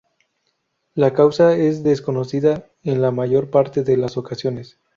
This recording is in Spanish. La causa es desconocida en la mayor parte de las ocasiones.